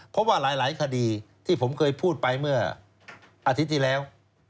เพราะว่าหลายคดีที่ผมเคยพูดไปเมื่ออาทิตย์ที่แล้ว